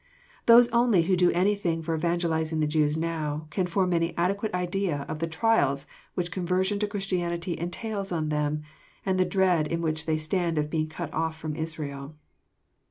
Those only who do anything for evangelizing the Jews now, can form any adequate idea of the trials which conversion to Christianity entails on them, and the dread in which they stand of being cut off from Israel.